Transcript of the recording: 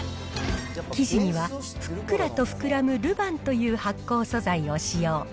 生地にはふっくらと膨らむルヴァンという発酵素材を使用。